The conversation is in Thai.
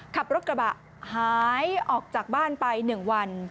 ขับรถกระบะหายออกจากบ้านไป๑วัน